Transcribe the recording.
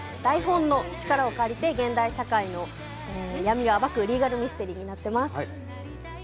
演じる謎の脚本家が書く台本の力を借りて現代社会の闇を暴くリーガルミステリーになっております。